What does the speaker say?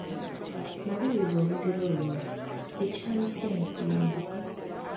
Maliriza olugero luno: Ekyanika nsimbi, ……